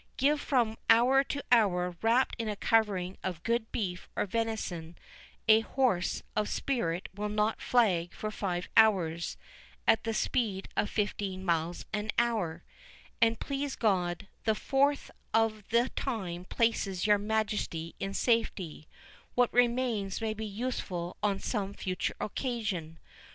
Given from hour to hour, wrapt in a covering of good beef or venison, a horse of spirit will not flag for five hours, at the speed of fifteen miles an hour; and, please God, the fourth of the time places your Majesty in safety—what remains may be useful on some future occasion.